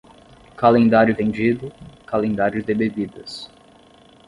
Calendário vendido, calendário de bebidas.